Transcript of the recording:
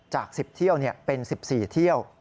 จาก๑๐เที่ยวเป็น๑๔เที่ยว